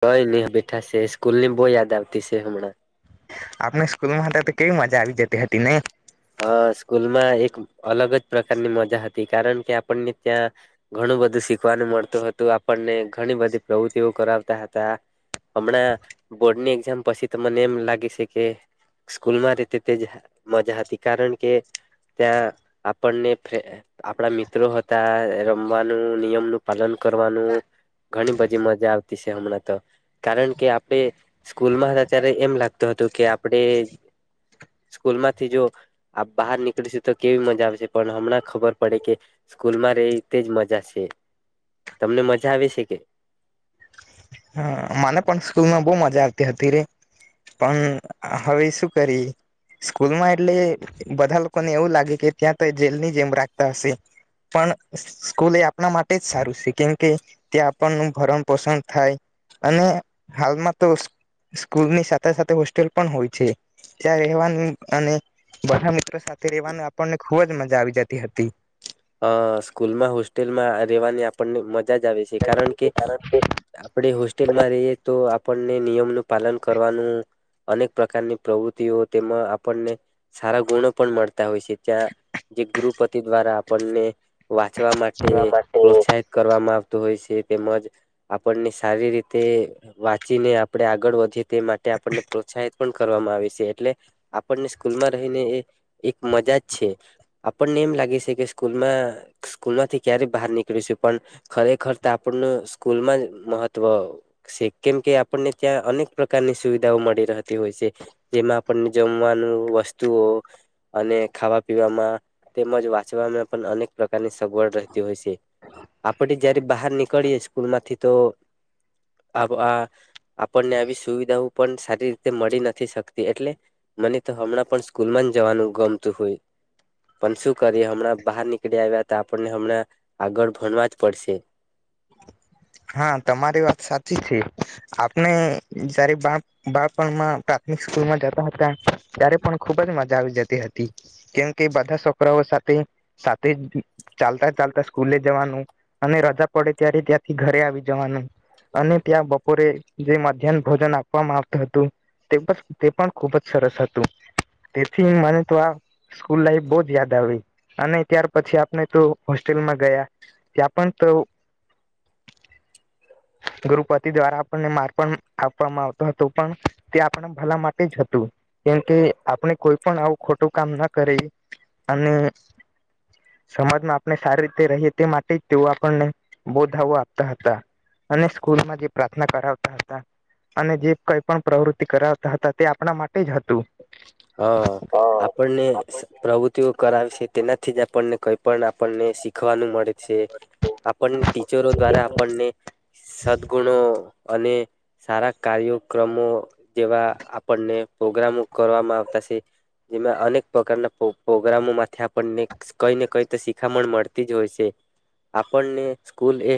કોઈ નહી બેઠાશે સ્કૂલ ની બો યાદ આવતી શે હમણાં આપણે સ્કૂલમાં હતા તો કેવી મજા આવી જતી હતી નહી હા સ્કૂલમાં એક અલગ જ પ્રકારની મજા હતી કારણ કે આપણને ત્યાં ઘણું બધું શીખવાનું મળતું હતું આપણને ઘણી બધી પ્રવૃતિઓ કરાવતા હતા હમણાં બોર્ડની એક્ઝામ પછી મને એમ લાગે છે કે સ્કૂલમાં રીતે તે જ મજા હતી કારણ કે ત્યાં આપણને ફ્રે આપણા મિત્રો હતા રમવાનું નિયમનુંું પાલન કરવાનું ઘણી બધી મજા આવતી છે હમણાં તો કારણ કે આપણે સ્કૂલમાં હતા ત્યારે એમ લાગતું હતું કે આપણે સ્કૂલમાંથી જો આપ બહાર નીકળીશું તો કેવી મજા આવશે પણ હમણાં ખબર પડે કે સ્કૂલમાં રે તેજ મજા છે તમને મજા આવે છે કે મને પણ સ્કૂલમાં બહુ મજા આવતી હતી રે પણ હવે શું કરી સ્કૂલમાં એટલે બધા લોકોને એવું લાગે કે ત્યાં તો જેલની જેમ રાખતા હશે પણ સ્કૂલ એ આપણા માટે જ સારું છે કેમકે ત્યાં આપણનું ભરણ પોષણ થાય અને હાલમાં તો સ્કૂલની સાથે સાથે હોસ્ટેલ પણ હોય છે ત્યાં રહેવાની અને [unintelligible] મિત્રો સાથે રવાની આપણને ખુબ જ મજા આવી જતી હતી અ સ્કૂલમાં હોસ્ટેલમાં રેવાની આપણને મ મજા જ આવે છે કારણ કે આપણે આપણે હોસ્ટેલમાં રહીએ તો આપણને નિયમ પાલન કરવાનું અનેક પ્રકારની પ્રવૃતિઓ તેમાં આપણને સારા ગુણો પણ મળતા હોય છે ત્યાં જે ગૃહપતિ દ્વારા પડને વાંચવા માટે પ્રોત્સાહિત કરવામાં આવતુ હોય છે તેમજ આપણને સારી રીતે વાંચીને આપણે આગળ વધીએ તે માટે આપણને પ્રોત્સાહિત પણ કરવામાં આવે છે એટલે આપણને સ્કૂલમાં રહીને એક મજા જ છે આપણને એમ લાગે છે કે સ્કૂલમાં સ્કૂલમાંથી ક્યારેય બહાર નીકળીશું પણ ખરેખર તો આપણનું સ્કૂલમાં જ મહત્ત્વ છે કેમ કે આપણને ત્યાં અનેક પ્રકારની સુવિધાઓ મળી રહેતી હોય છે જેમાં આપણને જમવાનું વસ્તુઓ અને ખાવા પીવામાં તેમજ વાંચવામાં અનેક પ્રકારની સગવડ રહેતી હોય છે આપ જયારે બહાર નીકળીએ સ્કૂલ માંથી તો અ આપણને આવી સુવિધાઓ પણ સારી રીતે મળી નથી શકતી એટલે મને તો હમણાં પણ સ્કૂલમાં જ જવાનું ગમતું હોય પણ શું કરીએ હમણાં બહાર નીકળી આવ્યા તો આપણને હમણાં આગળ ભણવા જ પડશે હા તમારી વાત સાચી છે આપણે જયારે બા બાળપણમાં પ્રાથમિક સ્કૂલમાં જતા હતા ત્યારે પણ ખુબ જ મજા આવી જતી હતી કેમ કે બધા છોકરાઓ સાથે સાથે ચાલતા ચાલતા સ્કૂલે જવાનું અને રજા પડે ત્યારે ત્યાં ઘરે આવી જવાનું અને ત્યાં બપોરે જે મધ્યાહન ભોજન આપવામાં આવતું હતું તે તે પણ ખુબ જ સરસ હતું તેથી મને તો આ સ્કૂલ લાઈફ બહ જ યાદ આવી અને ત્યાર પછી આપણે તો હોસ્ટેલમાં ગયા ત્યાં પણ તો ગુરુપતિ દ્વારા આપણને માર પણ આપવામાં આવતો હતો પણ તે આપણા ભલા માટે જ હતું કેમ કે આપણે કોઈ પણ આવું ખોટું કામ ના કરી અને સમાજમાં આપણે સારી રીતે રહીએ તે માટે જ તેઓ આપણને બ આપતા હતા અને સ્કૂલમાં જે પ્રાર્થના કરાવતા હતા અને જે કઈ પણ પ્રવૃતિ કરાવતા હતા તે આપણા માટે જ હતું હા આપણને પ્રવૃતિઓ કરાવે છે તેનાથી જ આપણને કઈ પણ આપણને શીખવાનું મળે છે આપણને ટીચરો દ્વારા આપણને સદગુણો અને સારા કાર્યક્રમો જેવા આપણને પ્રોગ્રામો જેમાં અનેક પ્રકારના પો પો પ્રોગ્રામોમાંથી આપણને કઈ ને કઈ તો શીખામણ મળતી જ હોય છે આપણને સ્કૂલ એ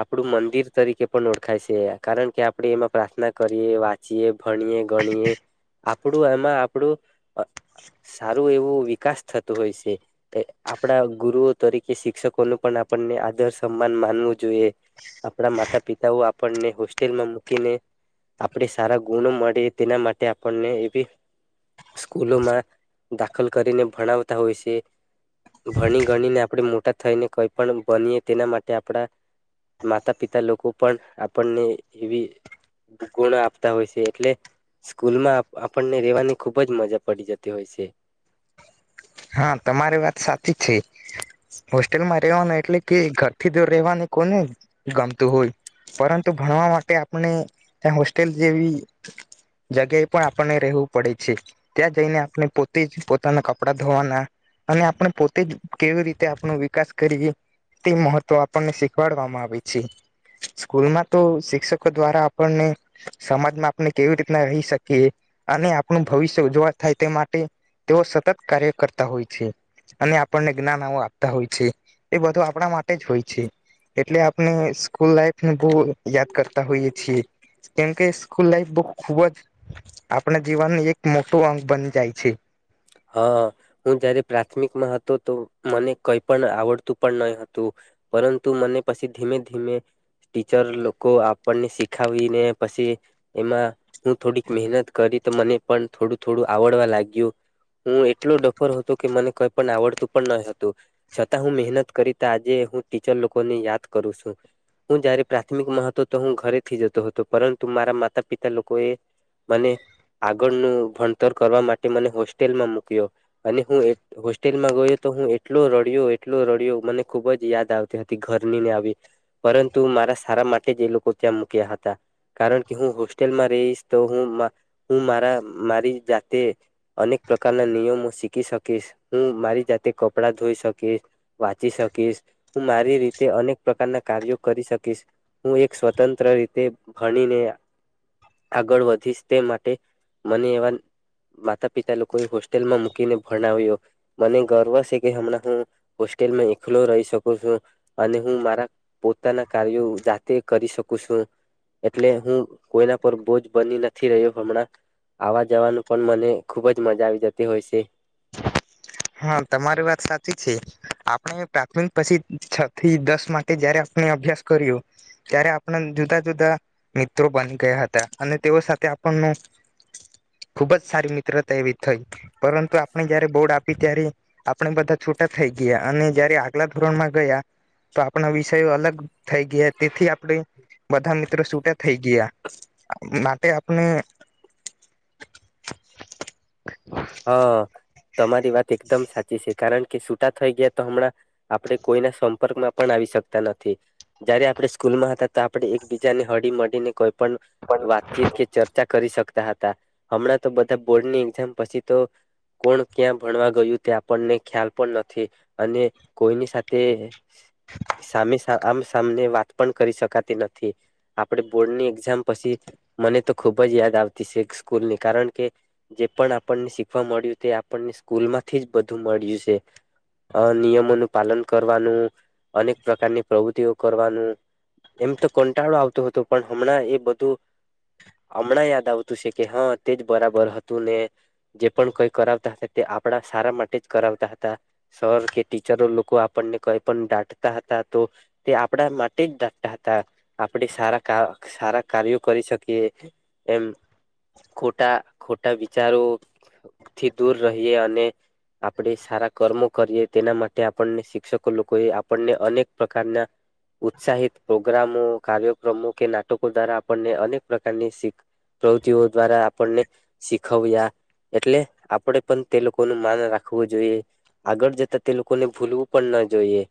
આપણું મંદિર તરીકે પણ ઓળખાય છે કારણ કે આપણે એમાં પ્રાર્થના કરીએ વાંચીએ ભણીએ ગણીએ આપણું એમાં આપ સારું એવું વિકાસ થતુ હોય છે આપણા ગુરુઓ તરીકે શિક્ષકોનું પણ આપણને આદર સન્માન માનવું જોઈએ આપણા માતા પિતાઓ આપણને હોસ્ટેલમાં મૂકીને આપણે સારા ગુણો મળે તેના માટે આપણને એવી સ્કૂલોમાં દાખલ કરીને ભણાવતા હોય છે ભણી ગણીને આપણે મોટા થઈને કઈ પણ બનીએ તેના માટે આપણા માતા પિતા લોકો પણ આપણને એવી ગુણ આપતા હોય છે એટલે સ્કૂલમાં આપણને રેવાની ખુબ જ મજા પડી જતી હોય છે હા તમારી વાત સાચી છે હોસ્ટેલમાં રહેવાનું એટલે કે ઘરથી જો રહેેવાનું કોને ગમતું હોય પરંતુ ભણવા માટે આપણે ત્યાં હોસ્ટેલ જેવી જગ્યાએ પણ આપણને રહેવું પડે છે ત્યાં જઈને આપણે પોતે જ પોતાના કપડા વાના અને આપણે પોતે જ કેવી રીતે આપણ વિકાસ કરીએ તે મહત્વ આપણને શીખવાડવામાં આવે છે સ્કૂલમાં તો શિક્ષકો દ્વારા આપણને સમાજમાં આપણે કેવી રીતના રહી શકીએ અને આપણું ભવિષ્ય ઉજવાળ થાય તે માટે તેઓ સતત કાર્ય કરતા હોય છે અને આપણને જ્ઞાન આવ આપતા હોય છે એ બધું આપણા માટે જ હોય છે એટલે આપણે સ્કૂલ લાઈફને બહુ યાદ કરતા હોઈએ છીએ કેમકે સ્કૂલ લાઈફ બહ ખૂબ જ આપણા જીવન એક મોટો અંગ બની જાય છે અ હું જ્યારે પ્રાથમિકમાં હતો તો મને કંઈ પણ આવડતું પણ નહીં હતું પરંતુ મને પછી ધીમે ધીમે ટીચર લોકો આપણને શીખાવીને પછી એમાં હું થોડીક મહેનત કરી તો મને પણ થોડું થોડું આવડ આવડવા લાગિયું હું એટલો ડફર હતો કે મને કઈ પણ આવડતું પણ ન હતું છતાં હું મહેનત કરીતા આજે હું ટીચર લોકોને યાદ કરું છું હું જયારે પ્રાથમિકમાં હતો તો હું ઘરેથી જતો હતો પરંતુ મારા માતા પિતા લોકો એ મને આગળનું ભણતર કરવા માટે મ હોસ્ટેલમાં મૂક્યો અને હું હોસ્ટેલમાં ગયો તો હું એટલો રડ્યો એટલો રડ્યો મને ખુબ જ યાદ આવતી હતી ઘરની ને આવી પરંતુ મારા સારા માટે જ એ લોકો ત્યાં મૂક્યા હતા કારણ કે હું હોસ્ટેલમાં રહીશ તો હું હું મારા મારી જાત અનેક પ્રકારના નિયમો શીખી શકીશ હું મારી જાતે કપડાં ધોઈ શકીશ વાંચી શકીશ હું મારી રીતે અનેક પ્રકારના કાર્યો કરી શકીશ હું એક સ્વતંત્ર રીતે ભણીને આગળ વધીશ તે માટે મને એવા માતા પિતાએ હોસ્ટેલમાં મૂકીને ભણાવ્યો મને ગર્વ છે કે હણાં હું હોસ્ટેલમાં એકલો રહી શકું છું અને હું મારા પોતાના કાર્યો જાતે કરી શકું છું એટલે હું કોઈના પર બોજ બની નથી રહ્યો હમણાં આવા જવાનું પણ મને ખુબ જ મજા આવી જતી હોય છે હા તમારી વાત સાચી છે આપણે પ્રાથમિક પછી છ થી દસ માટે જયારે આપણે અભ્યાસ કર્યો ત્યારે આપણા જુદા જુદા મિત્રો બની ગયા હતા અને તેઓ સાથે આપણનું ખુબ જ સારી મિત્રતા એવી થઈ પરંતુ આપણે જયારે બોર્ડ આપ ત આપણે બધા છૂટા થઈ ગયા અને જયારે આગલા ધોરણમાં ગયા તો આપણા વિષયો અલગ થઈ ગયા તેથી આપડે બધા ત્ર સુટા થઈ ગયા, અ માટે આપણે હ. તમારી વાત એ કદમ સાચી છે, કારણ કે સુટા થઈ ગયા તો હમણાં આપણે કોઈના સંપર્કમાં પણ આવી શકતા નથી જારે આપણે સ્કૂલ માં હતા તો આપણે એકબીજાને હળ મળીને કોઈ પણ વાતચીત કે ચર્ચા કરી શક તા હ, હમણાં તો બધા બોર્ડ ની એક્ઝામ પછી તો કોણ ક્યાં ભણવા ગયું તે આપણને ખ્યાલ પણ નથી, અને કોઈની સાથે સામે સા આમ સામને વાત પણ કરી શકાતી નથી, આપણે બોર્ડની એક્ઝામ પછી મને તો ખુબ જ યાદ આવતી સે એક સ્કૂલની કારણ કે જે પણ આ પર્ણે શીખવા મળ્યું તે આપર્ણે સ્કૂલ માંથી જ બધું મળ્યું છે, અ નિયમોનું પાલન કરવાનું, અનેક પ્રકારની પ્રવૃતિઓ કરવાનું, એમ તો કંટાળો આવતો હતો પણ હમણાં એ બધું હમણાં યાદ આવતું સે કે હ તે જ બરાબર હતું ને જે પણ કઈ કરવતા હતા તે આપણા સારા માટે જ કરાવતા હતા, સર કે ટીચરો લોકો આપણને કઈ પણ ડાટતા હતા, તો તે આપણા માટે જ ડાટતા હતા, આપણે સારા સારા કાર્યો કરી શકીએ એમ ખોટા ખોટા વિચારો થી દૂર રહીએ, અને આપણે સારા કર્મો કરીએ તેના માટે આપણને શિક્ષકો લોકોએ આપણને અનેક પ્રકારના ઉત્સાહિત પ્રોગ્રામો, કાર્યક્રમો કે નાટકો દ્વારા આપર્ણે અનેક પ્રકારની પ્રવૃતિઓ દ્વારા આપણને શીખવ્યા એટલે આપણેે પણ તે લોકોનું માન રાખવું જોઈએ, આગળ જતા તે લોકોને ભૂલવું પણ ન જોઈએ,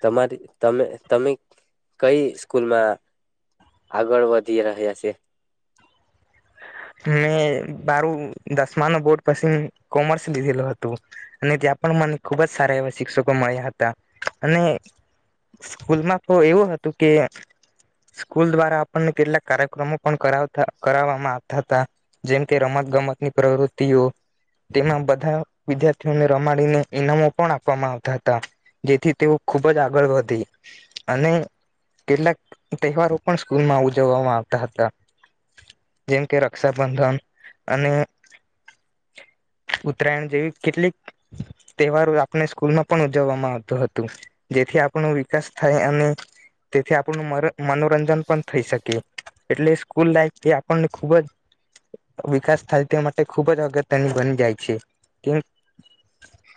તમારી તમે તમે કઈ સ્કૂલમાં આગળ વધી રહ્યા છે? મેં બારું દસમાનુ બોર્ડ પછી કોમર્સ લીધેલો હતું, અને ત્યાં પણ મને ખુબ જ સારા એવા શિક્ષકો મળ્યા હતા, અને સ્કૂલમાં તો એવું હતું કે સ્કૂલ દ્વારા આપર્ણે કેટલાક કાર્યક્રમો પણતા કરાવવામાં આવ થા હતા, જેમકે રમત ગમતની પ્રવૃતિઓ, તેમાં બધા વિદ્યાર્થીઓને રમાડીને ઈનામો પણ આપવામાં આવતા હતા, જેથી તેઓ ખુબ જ આગળ વધી અને કેટલાક તહેવારો પણ સ્કૂલમાં ઉજવવામાં આવતા હતા. જેમ કે રક્ષાબંધન અને ઉત્તરાયણ જેવી કેટલીક તહેવારો આપણે સ્કૂલમાં પણ ઉજવવામાં આવતું હતું, જેથી આપણો વિકાસ થાય અને તેથી આપણું મર મનોરંજન પણ થઈ શકે, એટલે સ્કૂલ લાઈફ થી આ પર્ણે ખૂબ જ વિકાસ થાય તે માટે ખૂબ જ અગત્યની બની જાય છે, કેમ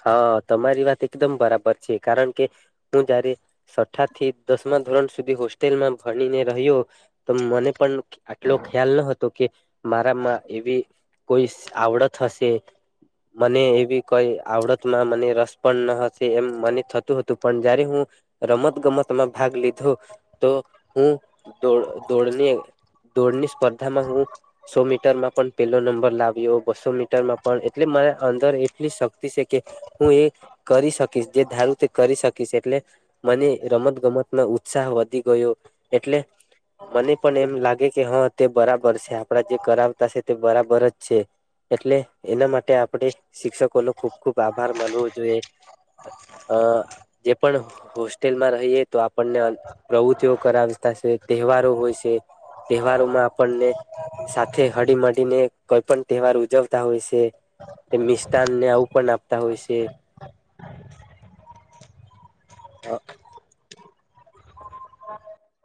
હા તમારી વાત એકદમ બરાબર છે, કારણ કે હું જયારે સઠા થી દસમા ધોરણ સુધી હોસ્ટેલમાં ભણીને રહ્યો, તો મને પણ આટલો ખ્યાલ ન હતો કે મારામાં એવી કોઈ સ આવડત હશે, મને એવી કોઈ આવડતમાં મને રસ પણ ન હશે એમ મને થતું હતું પણ જારે હું રમત ગમતમાં ભાગ લી ધો, તો હું દોડ, દોડવીએ, દોડણી સ્પર્ધામાં હું સો મીટરમાં પણ પેલો નંબર લાવ્યો, બસ્સો મીટરમાં પણ એટલે મારા અંદર એટલી શક તી સે કે હું એ કરી શકીશ, જે ધારું તે કરી શકીશ એટલે મને રમત ગમતમાં ઉત્સાહ વધી ગયો, એટલે મને પણ એમ લાગે કે હા તે બરાબર છે આપડા જે કરાવતા છે તે બરાબર જ છે, એટલે એના માટે આપણે શિક્ષકો ન ખૂબ ખુબ આભાર માનવો જોયે, અ જે પણ હોસ્ટેલમાં રહીએ તો આપર્ણે અન પ્રવૃતિઓ કરાવતા છે તહેવારો હોય સે તહેવારોમા આપર્ણે સાથે હળી મડીને કોઈ પણ તહેવાર ઉજવતા હોય સે તે મિષ્ટાન ને આવું [unintelligible] પણ આપતા હોય છે. હા.